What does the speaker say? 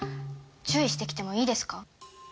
注意してきてもいいですか？